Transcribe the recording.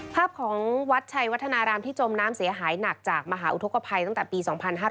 ภาพของวัดชัยวัฒนารามที่จมน้ำเสียหายหนักจากมหาอุทธกภัยตั้งแต่ปี๒๕๕๙